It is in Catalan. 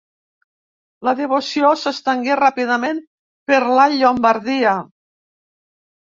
La devoció s'estengué ràpidament per la Llombardia.